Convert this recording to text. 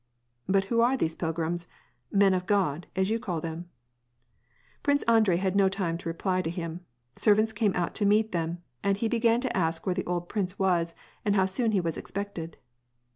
" But who are these pilgrims, —' Men of God,' as you call them ?" Prince Andrei had no time to reply to him. Servants came out to meet them, and he began to ask where the old prince was and how soon he was expected.